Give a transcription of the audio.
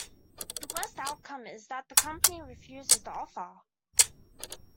The worst outcome is that the company refuses the offer.